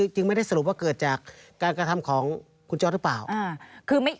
จึงไม่ได้สรุปว่าเกิดจากการกระทำของคุณจอร์ดหรือเปล่า